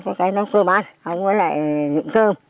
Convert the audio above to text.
có cái nấu cơm ăn anh ấy lại dụng cơm